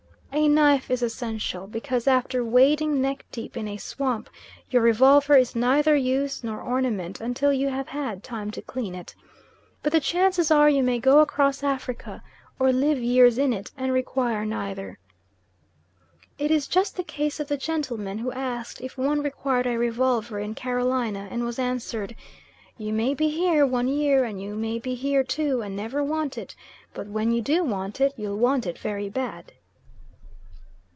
A knife is essential, because after wading neck deep in a swamp your revolver is neither use nor ornament until you have had time to clean it. But the chances are you may go across Africa, or live years in it, and require neither. It is just the case of the gentleman who asked if one required a revolver in Carolina and was answered, "You may be here one year, and you may be here two and never want it; but when you do want it you'll want it very bad."